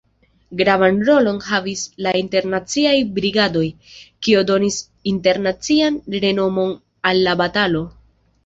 Gravan rolon havis la Internaciaj Brigadoj, kio donis internacian renomon al la batalo.